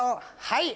はい！